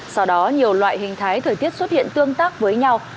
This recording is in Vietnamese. sau đó nhiều loại hình thái thời tiết xuất hiện tương tác với nhau